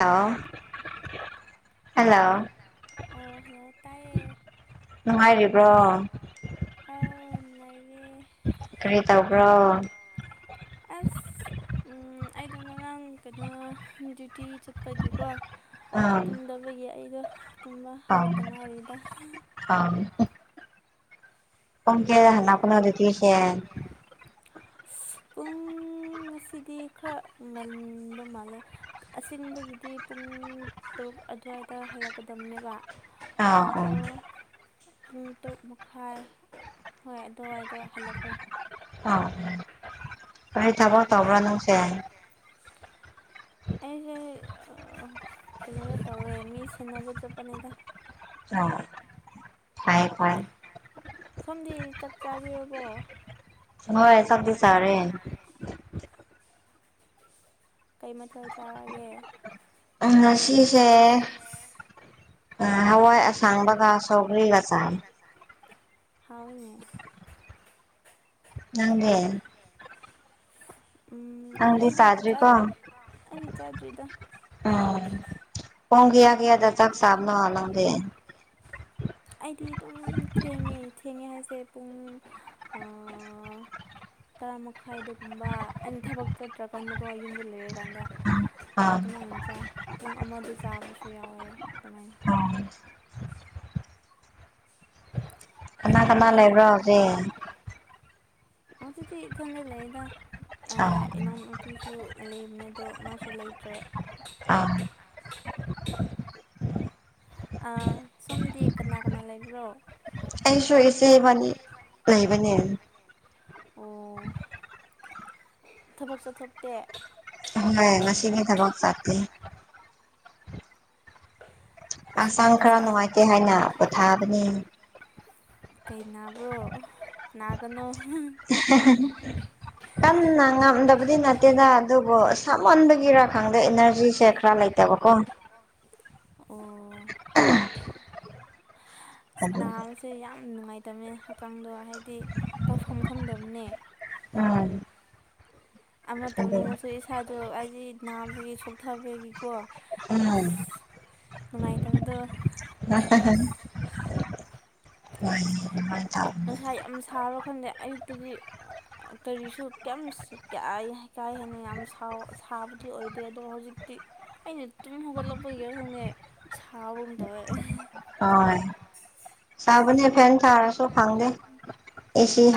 Hello hello ꯑ hello ꯇꯥꯏꯑꯌꯦ ꯅꯨꯪꯉꯥꯏ ꯔꯤ ꯑꯣ ꯅꯨꯡꯉꯥꯏꯔꯦ ꯀꯔꯤ ꯇꯧꯕ꯭ꯔꯣ ꯑꯁ ꯑꯝ ꯑꯩꯗꯣ ꯉꯔꯥꯡ ꯀꯩꯅꯣ ꯗꯤꯌꯨꯇꯤ ꯆꯠꯄꯒꯤꯀꯣ ꯇꯨꯝꯗꯕꯒꯤ ꯑꯩꯗꯣ ꯇꯨꯝꯕ ꯍꯧꯗ ꯉꯥꯏꯔꯤꯗ ꯑꯥ ꯄꯨꯡ ꯀꯋꯥꯗ ꯍꯥꯟꯂꯛꯄꯅꯣ ꯗꯨꯏꯇꯦ ꯁꯦ ꯄꯨꯡ ꯄꯨꯡ ꯑꯁꯤꯗꯤ ꯈꯔ ꯉꯟꯕ ꯃꯥꯜꯂꯦ ꯑꯁꯦꯡꯕꯒꯤꯗꯤ ꯄꯨꯡ ꯇꯔꯨꯛ ꯑꯗꯨꯋꯥꯏꯗ ꯍꯜꯂꯛꯀꯗꯕꯅꯦꯕ ꯑꯗꯣ ꯄꯨꯡ ꯇꯔꯨꯛ ꯃꯈꯥꯏ ꯍꯣꯏ ꯑꯗꯨꯋꯥꯏꯗ ꯍꯜꯂꯛꯈ꯭ꯔꯦ ꯑꯥ ꯀꯥꯔꯤ ꯊꯕꯛ ꯇꯧꯕ꯭ꯔꯥ ꯅꯪꯁꯦ ꯑꯩꯁꯦ ꯀꯩꯅꯣꯗ ꯇꯧꯋꯦ ꯃꯤ ꯁꯤꯟꯅꯕ ꯆꯠꯄꯅꯦꯗ ꯑꯣ ꯐꯥꯏ ꯐꯥꯏ ꯁꯣꯝꯗꯤ ꯆꯥꯛ ꯆꯥꯕꯤꯔꯕꯣ ꯍꯣꯏ ꯆꯥꯛꯇꯤ ꯆꯥꯔꯦ ꯀꯩ ꯃꯊꯦꯜ ꯆꯥꯔꯒꯦ ꯉꯁꯤꯁꯦ ꯑꯥ ꯍꯋꯥꯏ ꯑꯁꯥꯡ ꯕꯒꯥ ꯁꯧꯒꯔꯤꯒ ꯆꯥꯏ ꯍꯧꯏꯅꯦ ꯅꯪꯗꯤ ꯎꯝ ꯑꯩꯗꯤ ꯆꯠ ꯑꯩꯗꯤ ꯆꯥꯗ꯭ꯔꯤꯗ ꯑꯥ ꯄꯨꯡ ꯀꯌꯥ ꯀꯌꯥꯗ ꯆꯥꯛ ꯆꯥꯕꯅꯣ ꯅꯪꯗꯤ ꯑꯩꯗꯤ ꯑꯗꯨꯝ ꯊꯦꯡꯉꯦ ꯊꯦꯡꯉꯦ ꯍꯥꯏꯁꯦ ꯄꯨꯡ ꯑꯥ ꯇꯔꯥ ꯃꯈꯥꯏꯗꯒꯨꯝꯕ ꯑꯩꯅ ꯊꯕꯛ ꯆꯠꯇ꯭ꯔꯀꯥꯟꯗꯀꯣ ꯌꯨꯝꯗ ꯂꯩꯔꯀꯥꯟꯗ ꯑꯗꯨꯃꯥꯏꯅ ꯆꯥ ꯄꯨꯡ ꯑꯃꯗ ꯆꯥꯕꯁꯨ ꯌꯥꯎꯋꯦ ꯑꯗꯨꯃꯥꯏꯅ [inaudible] ꯁꯣꯝꯗꯤ ꯑꯗꯨꯗꯤ ꯏꯊꯟꯗ ꯂꯩꯌꯦꯗ ꯑꯥ ꯏꯅꯥꯎꯅꯨꯄꯤꯁꯨ ꯂꯩꯕꯅꯦ ꯑꯗꯣ ꯃꯥꯁꯨ ꯂꯩꯇ꯭ꯔꯦ ꯑꯥ ꯁꯣꯝꯗꯤ ꯀꯅꯥ ꯀꯅꯥ ꯂꯩꯕ꯭ꯔꯣ ꯑꯩꯁꯨ ꯑꯦꯆꯦ ꯏꯕꯥꯟꯅꯤ ꯂꯩꯕꯅꯦ ꯊꯕꯛ ꯆꯠꯊꯣꯛꯇꯦ ꯑꯍꯣꯏ ꯉꯁꯤꯒꯤ ꯊꯕꯛ ꯆꯠꯇꯦ ꯍꯛꯆꯥꯡ ꯈꯔ ꯅꯨꯡꯉꯥꯏꯇꯦ ꯍꯥꯏꯅ ꯄꯣꯊꯥꯕꯅꯦ ꯀꯩ ꯅꯥꯕ꯭ꯔꯣ ꯅꯥꯒꯅꯣ [unintelligible] ꯀꯟꯅ ꯉꯝꯗꯕꯗꯤ ꯅꯠꯇꯦꯗ ꯑꯗꯨꯕꯨ ꯁꯥꯃꯟꯕꯒꯤꯔꯥ ꯈꯪꯗꯦ ꯑꯦꯅꯔꯖꯤꯁꯦ ꯈꯔ ꯂꯩꯇꯕꯀꯣ ꯑꯣ ꯅꯥꯕ ꯁꯦ ꯌꯥꯝ ꯅꯨꯡꯉꯥꯏꯇꯕꯅꯦ ꯍꯛꯆꯥꯡꯗꯣ ꯍꯥꯏꯗꯤ ꯇꯧꯐꯝ ꯈꯪꯗꯕꯅꯦ ꯎꯝ ꯑꯃ ꯇꯧꯅꯤꯡꯉꯁꯨ [unintelligible] ꯏꯁꯥꯗꯣ ꯍꯥꯏꯗꯤ ꯅꯥꯕꯒꯤ ꯁꯣꯛꯊꯕꯒꯤꯀꯣ ꯑꯁ ꯅꯨꯡꯉꯥꯏꯇꯕꯗꯣ [unintelligible] ꯋꯥꯔꯤꯗꯤ [unintelligible] ꯅꯨꯡꯁꯥ ꯌꯥꯝ ꯁꯥꯕ꯭ꯔꯥ ꯈꯪꯗꯦ ꯑꯌꯨꯛꯇꯗꯤ ꯑꯥ ꯀꯔꯤꯁꯨ ꯀꯩꯝꯁꯤ ꯀꯥꯏꯌꯦ ꯀꯥ ꯍꯦꯟꯅ ꯌꯥꯝ ꯁꯥꯎ ꯁꯥꯕꯗꯤ ꯑꯣꯏꯗꯦ ꯑꯗꯣ ꯍꯧꯖꯤꯛꯇꯤ ꯑꯩꯅ ꯇꯨꯝ ꯍꯧꯒꯠꯂꯛꯄꯒꯤꯔ ꯈꯪꯗꯦ ꯁꯥꯕꯒꯨꯝ ꯇꯧꯋꯦ ꯍꯣꯏ ꯁꯥꯕꯅꯦ ꯁꯥꯕꯅꯦ ꯐꯦꯟ ꯊꯥꯔꯁꯨ ꯐꯪꯗꯦ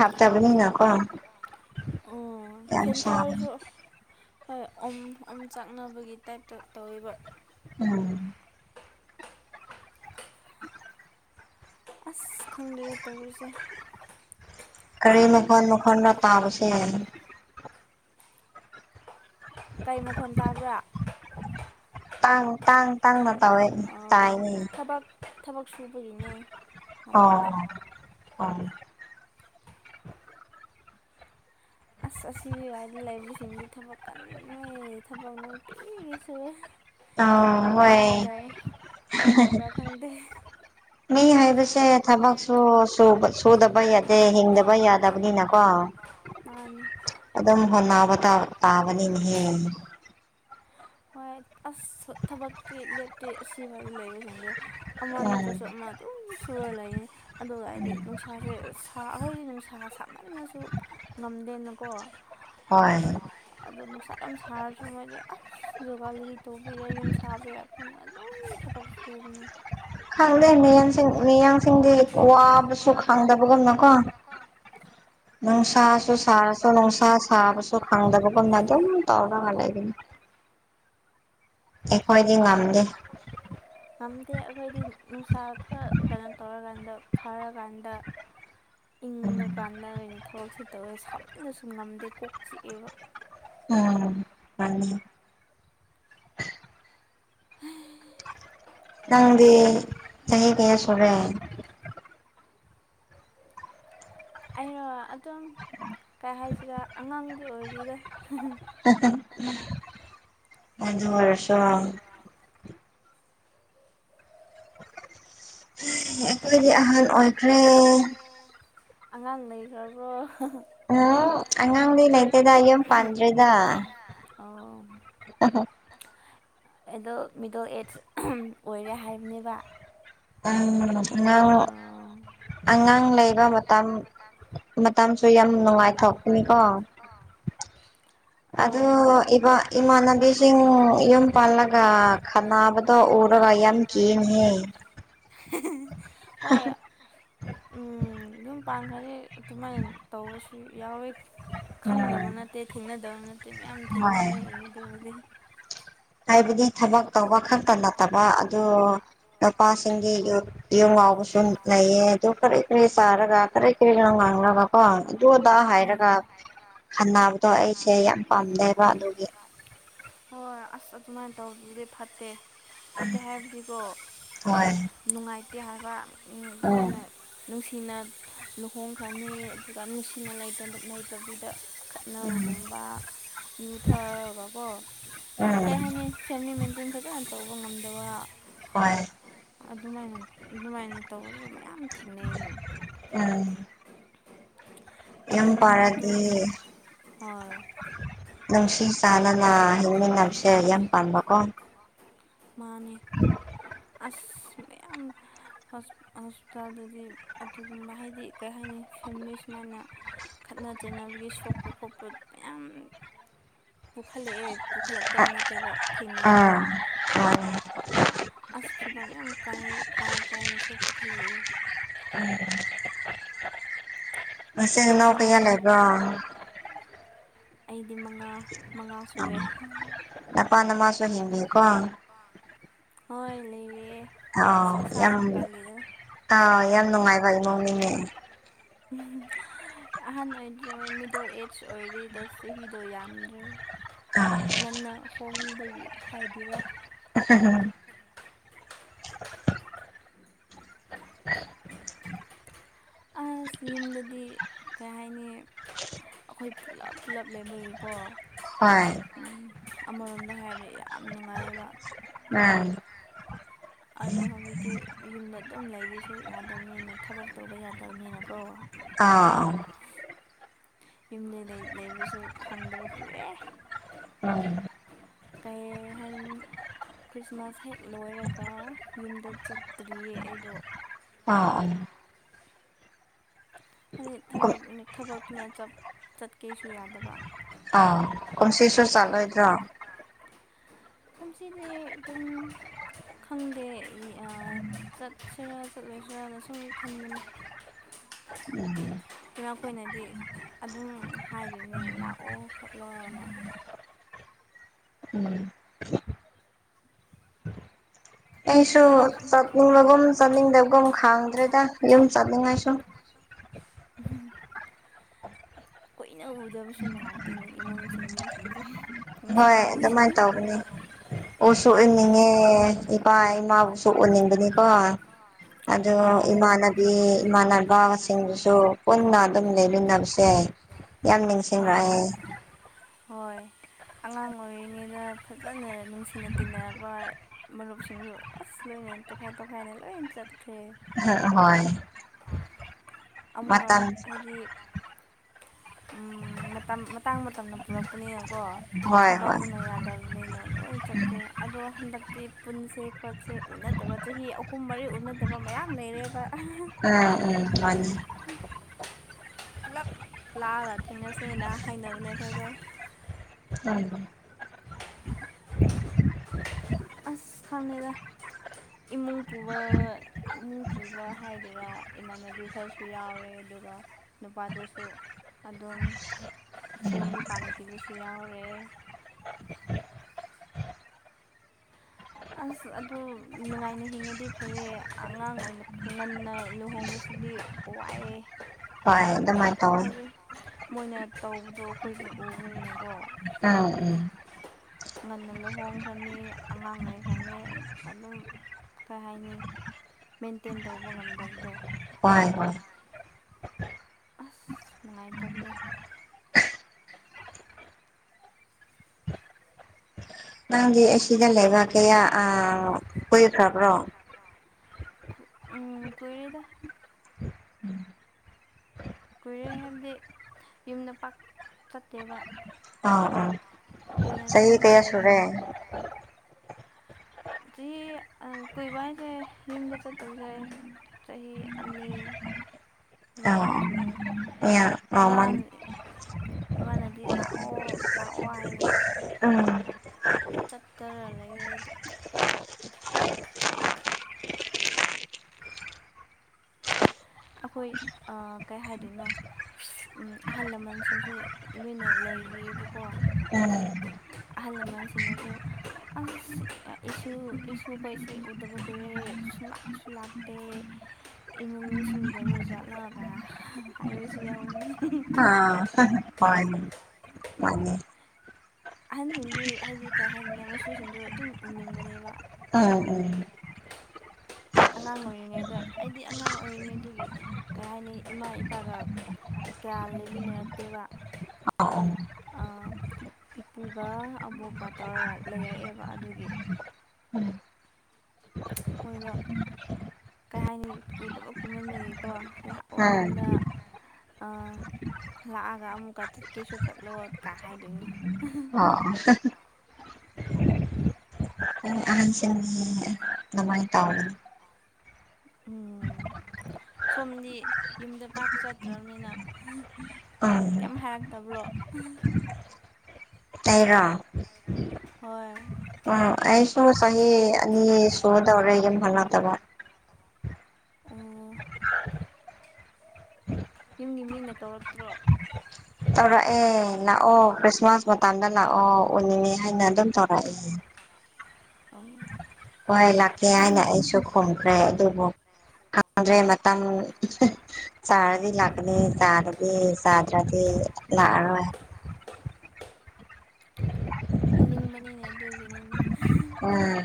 ꯑꯦ ꯁꯤ ꯍꯥꯞꯇꯕꯅꯤꯅꯀꯣ ꯑꯣ ꯑꯥ ꯐꯦꯟ ꯊꯥꯔꯁꯨ ꯍꯣꯏ ꯑꯣꯝ ꯑꯣꯝ ꯆꯥꯛꯅꯕꯒꯤ ꯇꯥꯏꯞꯇ ꯇꯧꯋꯦꯕ ꯎꯝ ꯑꯁ ꯈꯪꯗꯦꯗ ꯇꯧꯔꯤꯁꯦ ꯀꯔꯤ ꯃꯈꯣꯟꯅꯣ ꯀꯟꯅ ꯇꯥꯕꯁꯦ ꯀꯩ ꯃꯈꯣꯟ ꯇꯥꯕ꯭ꯔꯥ ꯇꯥꯡ ꯇꯥꯡ ꯇꯥꯡꯅ ꯇꯧꯋꯦ ꯇꯥꯏꯅꯦ ꯊꯕꯛ ꯁꯨꯕꯒꯤꯅꯦ ꯑꯥꯎ ꯑꯣ ꯑꯁ ꯑꯁꯤꯒꯤꯋꯥꯏꯗ ꯂꯩꯕꯁꯤꯡꯗꯤ ꯊꯕꯛ ꯀꯟꯅꯦ ꯊꯕꯛ ꯅꯨꯡꯇꯤꯒꯤ ꯁꯨꯏꯌꯦ ꯇꯥꯎ ꯍꯣꯏ [unintelligible] ꯃꯤ ꯍꯥꯏꯕꯁꯦ ꯊꯕꯛꯁꯨ ꯁꯨꯕ ꯁꯨꯗꯕ ꯌꯥꯗꯦ ꯍꯤꯡꯗꯕ ꯌꯥꯗꯕꯅꯤꯅꯀꯣ ꯃꯥꯅꯦ ꯑꯗꯨꯝ ꯍꯣꯠꯅꯕꯇꯣ ꯇꯥꯕꯅꯤꯅꯦꯍꯦ ꯍꯣꯏ ꯑꯁ ꯊꯕꯛꯇꯤ ꯂꯦꯞꯇꯦ ꯑꯁꯤꯕ ꯂꯩꯕꯁꯤꯡꯖꯦ ꯑꯃ ꯅꯠꯇ꯭ꯔꯁꯨ ꯑꯃ ꯑꯗꯨꯝ ꯁꯨꯔꯥ ꯂꯩꯌꯦ ꯑꯗꯨꯒ ꯍꯥꯏꯗꯤ ꯅꯨꯡꯁꯥꯖꯦ ꯁꯥ ꯑꯩꯈꯣꯏꯗꯤ ꯅꯨꯡꯁꯥ ꯁꯥꯃꯟꯅꯁꯨ ꯉꯝꯗꯦꯅꯀꯣ ꯍꯣꯏ ꯍꯣꯏ ꯑꯗꯣ ꯅꯨꯡꯁꯥ ꯌꯥꯝ ꯁꯥꯔꯁꯨ ꯃꯣꯏꯗꯤ ꯑꯁ ꯌꯣꯒꯥ ꯂꯩꯔꯤ ꯇꯧꯕ ꯌꯥꯏ ꯌꯨꯝ ꯁꯥꯕ ꯌꯥꯏ ꯈꯪꯗꯦ ꯑꯗꯨꯝ ꯊꯕꯛ ꯁꯨꯕꯅꯦ ꯈꯪꯗꯦ ꯃꯤꯌꯥꯟꯁꯤꯡ ꯃꯤꯌꯥꯝꯁꯤꯡꯗꯤ ꯋꯥꯕꯁꯨ ꯈꯪꯗꯕꯒꯨꯝꯅꯀꯣ ꯅꯨꯡꯁꯥꯁꯨ ꯁꯥꯔꯁꯨ ꯅꯨꯡꯁꯥ ꯁꯥꯕꯁꯨ ꯈꯪꯗꯕꯒꯨꯝꯅ ꯑꯗꯨꯝ ꯇꯧꯔꯒ ꯂꯩꯒꯤꯅꯤ ꯑꯩꯈꯣꯏꯗꯤ ꯉꯝꯗꯦ ꯉꯝꯗꯦ ꯑꯩꯈꯣꯏꯗꯤ ꯅꯨꯡꯁꯥ ꯈꯔ ꯀꯩꯅꯣ ꯇꯧꯔꯀꯥꯟꯗ ꯐꯔꯀꯥꯟꯗ ꯏꯪꯕ ꯀꯥꯟꯗ ꯑꯣꯏꯅ ꯊꯕꯛꯁꯦ ꯇꯧꯔꯦ ꯁꯥꯃꯟꯅꯁꯨ ꯉꯝꯗꯦ ꯀꯣꯛ ꯆꯤꯛꯑꯦꯕ ꯎꯝ ꯄꯟꯅꯤ ꯅꯪꯗꯤ ꯆꯍꯤ ꯀꯌꯥ ꯁꯨꯔꯦ ꯑꯩꯩꯔꯣ ꯑꯗꯨꯝ ꯀꯩ ꯍꯥꯏꯁꯤꯔ ꯑꯉꯥꯡꯗꯤ ꯑꯣꯏꯔꯤꯗ ꯎ ꯑꯗꯨ ꯑꯣꯏꯔꯁꯨ ꯑꯩꯈꯣꯏꯗꯤ ꯑꯍꯟ ꯑꯣꯏꯈ꯭ꯔꯦ ꯑꯉꯥꯡ ꯂꯩꯈ꯭ꯔꯕ꯭ꯔꯣ ꯑꯉꯥꯡꯗꯤ ꯂꯩꯇꯦꯗ ꯌꯨꯝ ꯄꯥꯟꯗ꯭꯭ꯔꯤꯗ ꯑꯥꯎ ꯑꯣ ꯍꯣ ꯑꯗꯣ ꯃꯤꯗꯣ ꯑꯦꯖ ꯑꯣꯏꯔꯦ ꯍꯥꯏꯕꯅꯦꯕ ꯎꯝ ꯅꯪ ꯑꯉꯥꯡ ꯅꯪ ꯂꯩꯕ ꯃꯇꯝ ꯃꯇꯝꯁꯨ ꯌꯥꯝ ꯅꯨꯡꯉꯥꯏꯊꯣꯛꯄꯅꯤꯀꯣ ꯑꯣ ꯑꯗꯨ ꯏꯕ ꯏꯃꯥꯟꯅꯕꯤꯁꯤꯡ ꯌꯨꯝ ꯄꯥꯜꯂꯒ ꯈꯠꯅꯕꯗꯣ ꯎꯔꯒ ꯌꯥꯝ ꯀꯤꯅꯦꯍꯦ ꯍꯣꯏ ꯎꯝ ꯌꯨꯝ ꯄꯥꯟꯈ꯭ꯔꯗꯤ ꯑꯗꯨꯃꯥꯏꯟ ꯇꯧꯕꯁꯨ ꯌꯥꯎꯋꯦ ꯈꯪꯗꯕ ꯅꯠꯇꯦ ꯊꯦꯡꯅꯗꯕ ꯅꯠꯇꯦ ꯃꯌꯥꯝ ꯊꯦꯡꯅꯔꯛꯏꯅꯤ ꯑꯗꯨꯕꯨꯗꯤ ꯍꯥꯏꯕꯗꯤ ꯊꯕꯛ ꯇꯧꯕ ꯈꯛꯇ ꯅꯠꯇꯕ ꯑꯗꯨ ꯅꯨꯄꯥꯁꯤꯡꯒꯤ ꯌꯨ ꯌꯨ ꯉꯥꯎꯕꯁꯨ ꯂꯩꯌꯦ ꯑꯗꯨ ꯀꯔꯤ ꯀꯔꯤ ꯆꯥꯔꯒ ꯀꯔꯤ ꯀꯔꯤ ꯉꯥꯡꯅꯕ ꯀꯣ ꯑꯗꯨ ꯑꯗꯥ ꯍꯥꯏꯔꯒ ꯈꯟꯅꯕꯗꯣ ꯑꯩꯁꯦ ꯌꯥꯝ ꯄꯥꯝꯗꯦꯕ ꯑꯗꯨꯒꯤ ꯍꯣꯏ ꯑꯁ ꯑꯗꯨꯃꯥꯏꯅ ꯇꯧꯕꯗꯨꯗꯤ ꯐꯠꯇꯦ ꯐꯠꯇꯦ ꯍꯥꯏꯕꯗꯤꯀꯣ ꯅꯨꯡꯉꯥꯏꯇꯦ ꯍꯥꯏꯕ ꯎꯝ ꯑꯗꯨꯃꯥꯏꯅ ꯅꯨꯡꯁꯤꯅ ꯂꯨꯍꯣꯡꯈ꯭ꯔꯅꯤ ꯑꯗꯨꯒ ꯅꯨꯡꯁꯤꯅ ꯂꯩꯇ ꯂꯩꯇꯕꯤꯗ ꯈꯠꯅꯕꯒꯨꯝꯕ ꯌꯨ ꯊꯛꯑꯒꯀꯣ ꯍꯥꯏꯗꯤ ꯀꯩ ꯍꯥꯏꯅꯤ ꯐꯦꯃꯤꯂꯤ ꯃꯦꯟꯇꯦꯟ ꯐꯖꯅ ꯇꯧꯕ ꯉꯝꯗꯕꯥ ꯍꯣꯏ ꯑꯗꯨꯃꯥꯏꯅ ꯑꯗꯨꯃꯥꯏꯅ ꯇꯧꯔꯒꯖꯨ ꯃꯌꯥꯝ ꯊꯦꯡꯅꯩꯅꯦ ꯎꯝ ꯑꯗꯨꯃ ꯑꯗꯨ ꯍꯣꯏ ꯅꯨꯡꯁꯤ ꯆꯥꯅꯅ ꯍꯤꯡꯃꯤꯟꯅꯕꯁꯦ ꯌꯥꯝ ꯄꯥꯝꯕꯀꯣ ꯃꯥꯅꯦ ꯑꯁ ꯃꯌꯥꯝ ꯍꯣꯁ ꯍꯣꯁꯄꯤꯇꯥꯜꯗꯗꯤ ꯑꯗꯨꯒꯨꯝꯕ ꯍꯥꯏꯗꯤ ꯀꯩ ꯍꯥꯏꯅꯤ ꯐꯦꯃꯤꯂꯤ ꯁꯨꯃꯥꯏꯅ ꯈꯠꯅ ꯆꯩꯅꯕꯒꯤ ꯁꯣꯛꯄ ꯈꯣꯠꯄ ꯃꯌꯥꯝ ꯄꯨꯈꯠꯂꯛꯑꯦ ꯄꯨꯈꯠꯂꯛꯇꯕ ꯅꯠꯇꯦꯕ ꯑꯥ ꯎꯝ ꯑꯁ ꯐꯤꯕꯝ ꯌꯥꯝ ꯀꯥꯏ ꯀꯥꯏ ꯀꯥꯏꯅꯁꯨ ꯄꯨꯈꯠꯂꯛꯑꯦ ꯎꯝ ꯅꯆꯤꯟ ꯅꯅꯥꯎ ꯀꯩꯌꯥ ꯂꯩꯕ꯭ꯔꯥ ꯑꯩꯗꯤ ꯃꯉꯥ ꯃꯉꯥ ꯁꯨꯑꯦ ꯅꯄꯥ ꯅꯃꯥꯁꯨ ꯍꯤꯡꯂꯤꯀꯣ ꯍꯣꯏ ꯂꯩꯔꯤꯌꯦ ꯑꯥꯎ ꯌꯥꯝ ꯑꯥꯎ ꯌꯥꯝ ꯅꯨꯡꯉꯥꯏꯕ ꯏꯃꯨꯡꯅꯤꯅꯦ ꯎꯝ ꯑꯍꯟ ꯑꯣꯏꯗ꯭ꯔꯤ ꯃꯤꯗꯜ ꯑꯦꯖ ꯑꯣꯏꯔꯤꯗ ꯆꯍꯤꯗꯣ ꯌꯥꯝꯗ꯭ꯔꯤ ꯉꯟꯅ ꯍꯣꯡꯕꯒꯤ ꯍꯥꯏꯗꯨꯏꯔ [unintelligible] ꯑꯁ ꯌꯨꯝꯗꯗꯤ ꯀꯩ ꯍꯥꯏꯅꯤ ꯑꯩꯈꯣꯏ ꯄꯨꯂꯞ ꯄꯨꯂꯞ ꯂꯩꯕꯒꯤꯀꯣ ꯑꯃꯔꯣꯝꯗ ꯍꯥꯏꯔꯗꯤ ꯌꯥꯝ ꯅꯨꯡꯉꯥꯏꯌꯦꯕ [unintelligible] ꯑꯗꯩ ꯍꯧꯖꯤꯛꯇꯤ ꯌꯨꯝꯗ ꯑꯗꯨꯝ ꯂꯩꯒꯦꯁꯨ ꯌꯥꯗꯕꯅꯤꯅ ꯊꯕꯛ ꯇꯧꯕ ꯌꯥꯗꯕꯅꯤꯅꯀꯣ ꯑꯥꯥ ꯌꯨꯝꯗ ꯂꯩ ꯂꯩꯕꯁꯨ ꯐꯪꯗꯕ ꯀꯨꯏꯔꯦ ꯀꯩ ꯍꯥꯏꯅꯤ ꯈ꯭ꯔꯤꯁꯃꯥꯁ ꯍꯦꯛ ꯂꯣꯏꯔꯒ ꯌꯨꯝꯗ ꯆꯠꯇ꯭ꯔꯤꯌꯦ ꯑꯩꯗꯣ ꯑꯥ ꯑꯥ ꯍꯥꯏꯗꯤ ꯊꯕꯛ ꯊꯕꯛꯇꯨꯅ ꯆꯠꯀꯦꯁꯨ ꯌꯥꯗꯕ ꯑꯥ ꯀꯨꯝꯁꯤꯁꯨ ꯆꯠꯂꯣꯏꯗ꯭ꯔꯣ ꯀꯨꯝꯁꯤꯗꯤ ꯑꯗꯨꯝ ꯈꯪꯗꯦ ꯑꯠꯆꯠꯁꯤꯔꯥ ꯆꯠꯂꯣꯏꯁꯤꯔꯅ ꯁꯨꯝ ꯈꯟꯕꯅꯦ ꯎꯝ ꯑꯗꯨꯅ ꯑꯩꯈꯣꯏꯅꯗꯤ ꯑꯗꯨꯝ ꯍꯥꯏꯗꯣꯏꯅꯦ ꯂꯥꯛꯑꯣ ꯈꯣꯠꯂꯣꯅ ꯎꯝ [inaudible] ꯑꯩꯁꯨ ꯆꯠꯅꯤꯡꯕꯒꯨꯝ ꯆꯠꯅꯤꯡꯗꯕꯒꯨꯝ ꯈꯪꯗ꯭ꯔꯦꯗ ꯌꯨꯝ ꯌꯨꯝ ꯆꯠꯅꯤꯡꯉꯥꯏꯁꯨ ꯀꯨꯏꯅ ꯎꯗꯕꯁꯨ ꯅꯨꯡꯉꯥꯏꯇꯦꯅꯦ ꯏꯃꯨꯡꯁꯤꯡ ꯃꯤꯁꯤꯡꯁꯦ ꯅꯨꯡꯁꯤꯕꯅꯦ [unintelligible] ꯑꯣ ꯁꯨꯎꯅꯤꯡꯉꯦ ꯏꯄꯥ ꯏꯃꯥꯕꯨꯁꯨ ꯎꯅꯤꯡꯕꯅꯤꯀꯣ ꯑꯗꯣ ꯏꯃꯥꯟꯅꯕꯤ ꯏꯃꯥꯟꯅꯕꯁꯤꯡꯗꯨꯁꯨ ꯄꯨꯟꯅ ꯑꯗꯨꯝ ꯂꯩꯃꯤꯟꯅꯕꯁꯦ ꯌꯥꯝ ꯅꯤꯡꯁꯤꯡꯂꯛꯑꯦ ꯍꯣꯏ ꯑꯉꯥꯡ ꯑꯣꯏꯔꯤꯉꯩꯗ ꯐꯖꯅ ꯅꯨꯡꯁꯤꯅ ꯇꯤꯟꯅꯔꯛꯄ ꯃꯔꯨꯞꯁꯤꯡꯁꯨ ꯑꯁ ꯂꯣꯏꯅ ꯇꯣꯈꯥꯏ ꯇꯣꯈꯥꯏꯅ ꯂꯣꯏꯅ ꯆꯠꯈ꯭ꯔꯦ ꯑ ꯍꯣꯏ ꯑꯃꯨꯛꯒ ꯍꯥꯏꯗꯤ ꯎꯝ ꯃꯇꯝ ꯃꯇꯥꯡ ꯃꯇꯝꯅ ꯄꯨꯔꯛꯄꯅꯤꯅ ꯀꯣ ꯊꯕꯛꯇꯨꯅ ꯌꯥꯗꯕꯅꯤꯅ ꯂꯣꯏ ꯆꯠꯀꯦ ꯑꯗꯣ ꯍꯟꯗꯛꯇꯤ ꯄꯨꯟꯁꯦ ꯄꯣꯠꯁꯦ ꯎꯅꯗꯕ ꯆꯍꯤ ꯑꯍꯨꯝ ꯃꯔꯤ ꯎꯅꯗꯕ ꯃꯌꯥꯝ ꯂꯩꯔꯦꯕ ꯎꯝ ꯎꯝ ꯃꯥꯅꯤ ꯄꯨꯂꯞ ꯂꯥꯛꯑꯒ ꯊꯦꯡꯅꯁꯦꯅ ꯍꯥꯏꯅꯕꯅꯦ ꯑꯩꯈꯣꯏꯗꯣ꯫ ꯎꯝ ꯑꯁ ꯈꯪꯅꯦꯗ ꯏꯃꯨꯡ ꯄꯨꯕ ꯏꯃꯨꯡ ꯄꯨꯕ ꯍꯥꯏꯗꯨꯔ ꯏꯃꯥꯟꯅꯕꯤ ꯈꯔꯁꯨ ꯌꯥꯎꯔꯦ ꯑꯗꯨꯒ ꯅꯨꯄꯥꯗꯨꯁꯨ ꯑꯗꯨꯝ ꯐꯦꯃꯤꯂꯤ ꯄꯥꯟꯅꯈꯤꯕꯁꯨ ꯌꯥꯎꯔꯦ ꯑꯁ ꯑꯗꯨ ꯅꯨꯡꯉꯥꯏꯅ ꯍꯤꯡꯉꯗꯤ ꯐꯩꯌꯦ ꯑꯉꯥꯡ ꯑꯣꯏꯅ ꯉꯟꯅ ꯂꯨꯍꯣꯡꯕꯁꯤꯗꯤ ꯋꯥꯏꯌꯦ ꯍꯣꯏ ꯑꯗꯨꯃꯥꯏ ꯇꯧꯋꯤ꯫ ꯃꯣꯏꯅ ꯇꯧꯕꯗꯣ ꯑꯈꯣꯏ ꯑꯗꯨꯝ ꯎꯕꯅꯤꯅꯀꯣ ꯎꯝ ꯎꯝ ꯉꯟꯅ ꯂꯨꯍꯣꯡꯈ꯭ꯔꯅꯤ ꯑꯉꯥꯡ ꯂꯩꯈ꯭ꯔꯅꯤ ꯑꯗꯨꯝ ꯀꯩ ꯍꯥꯏꯅꯤ ꯃꯦꯟꯇꯦꯟ ꯇꯧꯕ ꯉꯝꯗꯕꯗꯣ ꯍꯣꯏ ꯍꯣꯏ ꯑꯁ ꯅꯨꯡꯉꯥꯏꯇꯕꯅꯦ ꯅꯪꯗꯤ ꯑꯁꯤꯗ ꯂꯩꯕ ꯀꯌꯥ ꯑꯥ ꯀꯨꯏꯈ꯭ꯔꯕ꯭ꯔꯣ? ꯎꯝ ꯀꯨꯏꯔꯦꯗ꯫ ꯀꯨꯏꯔꯦ ꯍꯥꯏꯕꯗꯤ ꯌꯨꯝꯗ ꯄꯥꯛ ꯆꯠꯇꯦꯕ꯫ ꯀꯨꯏꯅ ꯗꯨꯝ ꯂꯩꯔꯦ ꯆꯍꯤ ꯀꯌꯥ ꯁꯨꯔꯦ ꯆꯍꯤ ꯑ ꯀꯨꯏꯕ ꯍꯥꯏꯁꯦ ꯌꯨꯝꯗ ꯆꯠꯇꯧꯁꯦ ꯆꯍꯤ ꯑꯅꯤ ꯑ ꯏꯃꯥꯅ ꯏꯃꯥꯟꯅꯗꯤ ꯂꯥꯛꯑꯣ ꯂꯥꯛꯑꯣ ꯍꯥꯏꯕꯅꯤ꯫ ꯆꯠꯇꯔ ꯂꯩꯔꯦ ꯑꯩꯗꯤ꯫ ꯑꯈꯣꯏ ꯑꯥ ꯀꯩ ꯍꯥꯏꯗꯣꯏꯅꯣ ꯎꯝ ꯑꯍꯜ ꯂꯃꯟꯁꯤꯡꯁꯨ ꯂꯣꯏꯅ ꯂꯩꯔꯤꯑꯕꯀꯣ ꯎꯝ ꯑꯍꯜ ꯂꯃꯟꯁꯤꯡꯅꯁꯨ ꯑꯁ ꯏꯁꯨ ꯏꯁꯨ ꯈꯣꯏꯁꯦ ꯎꯗꯕ ꯀꯨꯏꯔꯦ ꯁꯨꯡꯂꯥꯛꯁꯨ ꯂꯥꯛꯇꯦ꯫ ꯏꯃꯨꯡ ꯅꯤꯡꯁꯤꯡꯗꯕ ꯖꯥꯠꯂ ꯒꯥ ꯍꯥꯏꯕꯁꯨ ꯌꯥꯎꯏ꯫ ꯑꯥ ꯍꯣꯏ ꯑꯍꯟꯁꯤꯡꯗꯤ ꯍꯥꯏꯗꯤ ꯀꯩ ꯍꯥꯏꯅꯤꯅꯦ ꯃꯁꯨꯁꯤꯡꯗꯣ ꯑꯗꯨꯝ ꯎꯅꯤꯡꯕꯅꯦꯕ꯫ ꯎꯝ ꯎꯝ ꯑꯉꯥꯡ ꯑꯣꯏꯔꯤꯉꯩꯗ ꯑꯩꯗꯤ ꯑꯉꯥꯡ ꯑꯣꯏꯔꯤꯉꯩꯗꯒꯤ ꯀꯩ ꯍꯥꯏꯅꯤ ꯏꯃꯥ ꯏꯄꯥꯒ ꯀꯌꯥ ꯂꯩꯃꯤꯟꯅꯔꯛꯇꯦꯕ ꯑꯥ ꯏꯄꯨꯒ ꯑꯕꯣꯛꯀ ꯇꯧꯔꯒ ꯂꯩꯔꯛꯑꯦꯕ ꯑꯗꯨꯒꯤ ꯃꯣꯏꯅ ꯀꯩ ꯍꯥꯏꯅꯤ ꯎꯗꯕ ꯀꯨꯏꯃꯟꯕꯒꯤꯀꯣ ꯂꯥꯛ ꯑꯣ ꯌꯨꯝꯗ ꯑꯥ ꯂꯥꯛꯑꯒ ꯑꯃꯨꯛꯀ ꯆꯠꯀꯦꯁꯨ ꯆꯠꯂꯣ ꯀꯥꯏ ꯍꯥꯏꯗꯣꯏꯅꯦ꯫ ꯑꯣ ꯑꯍꯟꯁꯤꯡꯗꯤ ꯑꯗꯥꯏ ꯇꯥꯎꯕꯅꯤ꯫ ꯎꯝ ꯁꯣꯝꯗꯤ ꯌꯨꯝꯗ ꯄꯥꯛ ꯆꯠꯇ꯭ꯔꯕꯅꯤꯅ ꯀꯩꯝ ꯍꯥꯏꯔꯛꯇꯕ꯭ꯔꯣ? ꯑꯩꯔꯣ? ꯑꯩꯔꯣ ꯍꯣꯏ ꯎꯝ ꯑꯩꯁꯨ ꯆꯍꯤ ꯑꯅꯤ ꯁꯨꯗꯧꯔꯦ ꯌꯨꯝ ꯍꯜꯂꯛꯇꯕ ꯑꯝ ꯌꯨꯝꯒꯤ ꯃꯤꯅ ꯀꯧꯔꯛꯇ꯭ꯔꯣ ꯇꯧꯔꯛꯑꯦ ꯂꯥꯛꯑꯣ ꯈ꯭ꯔꯤꯁꯃꯥꯁ ꯃꯇꯝꯗ ꯂꯥꯛꯑꯣ ꯎꯅꯤꯡꯉꯤ ꯍꯥꯏꯅ ꯑꯗꯨꯝ ꯇꯧꯔꯛꯑꯦ ꯐ [unintelligible] ꯊꯝ [unintelligible] ꯍꯣꯏ ꯂꯥꯛꯀꯦ ꯍꯥꯏꯅ ꯑꯩꯁꯨ ꯈꯨꯝꯈ꯭ꯔꯦ ꯑꯗꯨꯕꯨ ꯈꯪꯗ꯭ꯔꯦ ꯃꯇꯝ ꯃꯇꯝ ꯆꯥꯔꯗꯤ ꯂꯥꯛꯒꯅꯤ ꯆꯥꯗ꯭ꯔꯗꯤ ꯂꯥꯛꯑꯣꯢ ꯇ꯭ꯔꯗꯤ ꯂꯥꯛꯑꯔꯣꯏ ꯎꯅꯤꯡꯕꯅꯤꯅꯦ ꯑꯗꯨꯒꯤꯅꯤꯅꯦ ꯎꯝ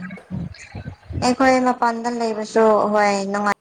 ꯑꯩꯈꯣꯏ ꯃꯄꯥꯟꯗ ꯂꯩꯕꯁꯨ ꯍꯣꯏ ꯅꯨꯡꯉꯥꯏ